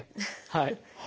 はい。